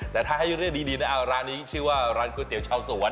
แต่ถ้าให้เรียกดีนะร้านนี้ชื่อว่าร้านก๋วยเตี๋ยชาวสวรร